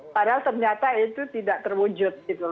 padahal ternyata itu tidak terwujud gitu